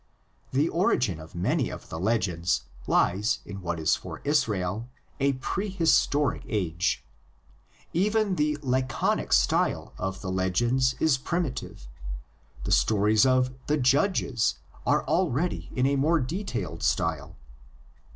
The origin of many of the legends lies in what is for Israel a prehistoric age. Even the laconic style of the legends is primitive; the stories of the "Judges" are already in a more detailed style.